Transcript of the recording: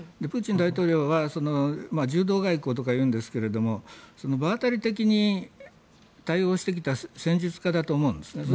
プーチン大統領は柔道外交とかいうんですが場当たり的に対応してきた戦術家だと思うんです。